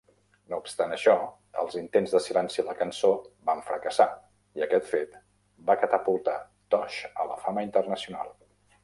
No obstant això, els intents de silenciar la cançó van fracassar i aquest fet va catapultar Tosh a la fama internacional.